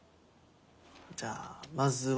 じゃあまずはここ！